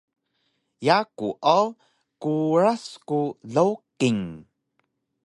Yaku o Kuras ku Lowking